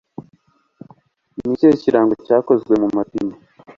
nikihe kirango cyakozwe mu mapine?